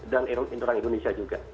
dan di indonesia juga